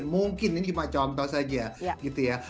mungkin ini cuma contoh saja gitu ya